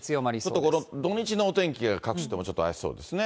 ちょっとこの土日のお天気が、各地ともちょっと怪しそうですね。